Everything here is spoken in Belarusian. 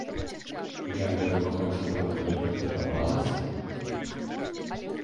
Я, вядома, хачу, каб гэта прадавалася.